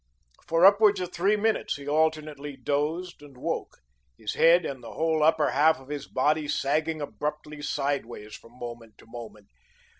For upwards of three minutes he alternately dozed and woke, his head and the whole upper half of his body sagging abruptly sideways from moment to moment.